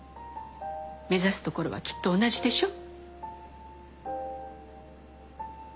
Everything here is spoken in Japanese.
目指すところはきっと同じでしょ。